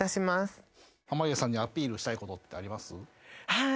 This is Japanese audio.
はい。